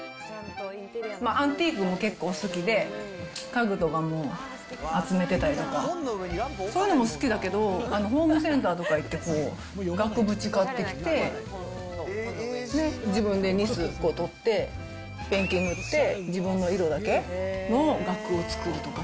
アンティークも結構好きで、家具とかも集めてたりとか、そういうのも好きだけど、ホームセンターとか行って、額縁買ってきて、で、自分でニスとって、ペンキ塗って、自分の色だけの額を作るとか。